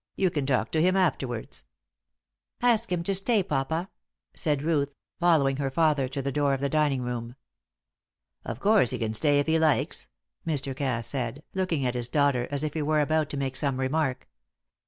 You can talk to him afterwards." "Ask him to stay, papa," said Ruth, following her father to the door of the dining room. "Of course he can stay if he likes," Mr. Cass said, looking at his daughter as if he were about to make some remark.